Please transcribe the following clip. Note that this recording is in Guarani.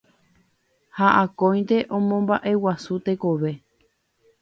ha akóinte omomba'eguasu tekove